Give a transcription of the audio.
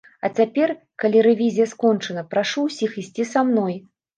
А цяпер, калі рэвізія скончана, прашу ўсіх ісці са мной.